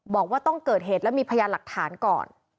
บอกว่าต้องเกิดเหตุและมีพยานหลักฐานก่อน